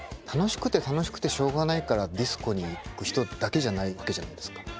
楽しくて楽しくてしょうがないからディスコに行く人だけじゃないわけじゃないですか。